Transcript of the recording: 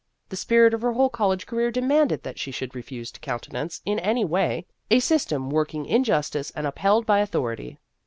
The spirit of her whole college career demanded that she should refuse to countenance, in any way, a system working injustice and upheld by author ity.